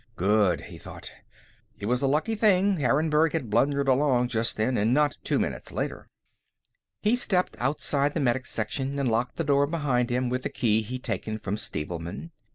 Good, he thought. It was a lucky thing Harrenburg had blundered along just then, and not two minutes later. He stepped outside the Medic Section and locked the door behind him with the key he'd taken from Stevelman.